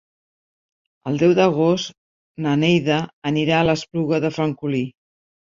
El deu d'agost na Neida anirà a l'Espluga de Francolí.